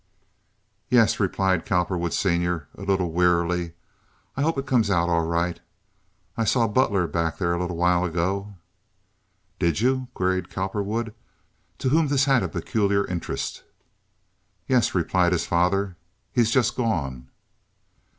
"Yes," replied Cowperwood, Sr., a little wearily. "I hope it comes out right. I saw Butler back there a little while ago." "Did you?" queried Cowperwood, to whom this had a peculiar interest. "Yes," replied his father. "He's just gone."